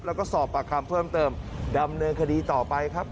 แล้วก็สอบปากคำเพิ่มเติมดำเนินคดีต่อไปครับ